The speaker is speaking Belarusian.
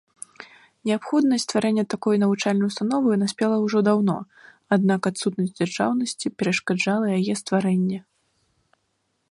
Неабходнасць стварэння такой навучальнай установы наспела ўжо даўно, аднак адсутнасць дзяржаўнасці перашкаджала яе стварэнні.